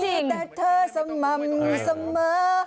มีแท็กเตอร์สม่ำ